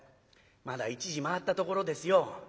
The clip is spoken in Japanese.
「まだ１時回ったところですよ」。